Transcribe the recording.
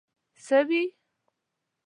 سويي